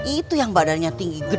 itu yang badannya tinggi gede